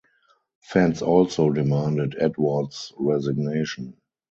Fans also demanded Edwards' resignation.